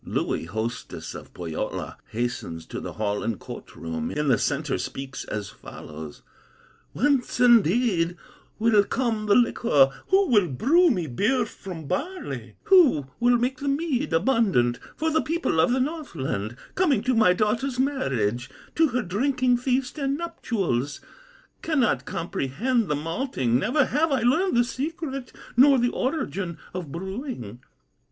Louhi, hostess of Pohyola, Hastens to the hall and court room, In the centre speaks as follows: "Whence indeed will come the liquor, Who will brew me beer from barley, Who will make the mead abundant, For the people of the Northland, Coming to my daughter's marriage, To her drinking feast and nuptials? Cannot comprehend the malting, Never have I learned the secret, Nor the origin of brewing."